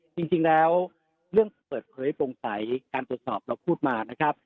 จริงแล้วเรื่องเปิดเผยโปร่งใสการตรวจสอบเราพูดมานะครับ